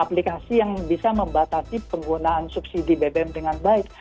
aplikasi yang bisa membatasi penggunaan subsidi bbm dengan baik